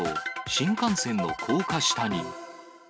新幹線の高架下に。